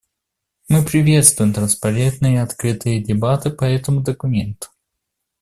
Мы приветствуем транспарентные и открытые дебаты по этому документу.